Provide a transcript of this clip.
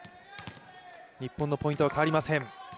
日本のポイントは変わりません。